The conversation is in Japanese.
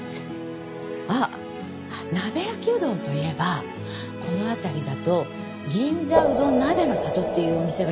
あっ鍋焼きうどんといえばこの辺りだと「銀座うどん鍋の里」っていうお店が有名なの。